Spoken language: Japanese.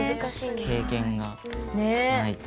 経験がないと。